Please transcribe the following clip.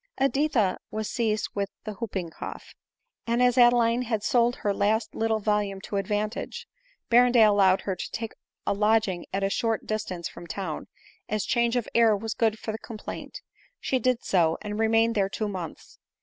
Editha was seized with the hooping cough ; and as Adeline had sold her last little volume to advantage, Berrendale allowed her to take a lodging at a short dis tance from town, as change of air was good for the com plaint. She did so, and remained there two months.